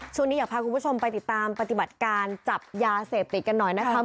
ช่วงนี้อยากพาคุณผู้ชมไปติดตามปฏิบัติการจับยาเสพติดกันหน่อยนะครับ